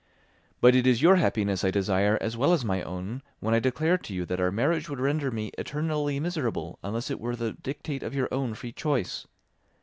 But it is your happiness I desire as well as my own when I declare to you that our marriage would render me eternally miserable unless it were the dictate of your own free choice.